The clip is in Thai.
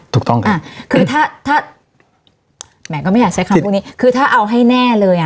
ถูกต้องค่ะคือถ้าถ้าแหมก็ไม่อยากใช้คำพูดนี้คือถ้าเอาให้แน่เลยอ่ะ